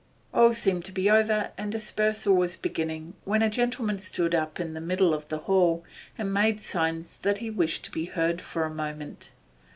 All seemed to be over and dispersal was beginning, when a gentleman stood up in the middle of the hall and made signs that he wished to be heard for a moment.